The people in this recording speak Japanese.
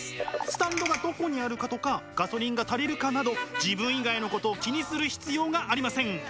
スタンドがどこにあるかとかガソリンが足りるかなど自分以外のことを気にする必要がありません。